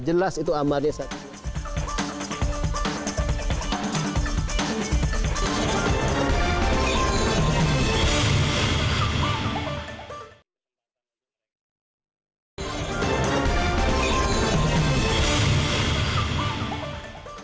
jelas itu amatnya saja